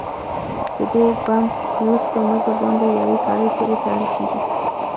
د دې بم فيوز په مزو باندې يوې ګړۍ پورې تړل کېږي.